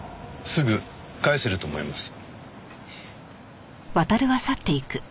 すぐ返せると思います。